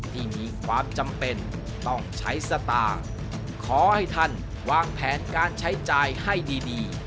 ที่มีความจำเป็นต้องใช้สตางค์ขอให้ท่านวางแผนการใช้จ่ายให้ดี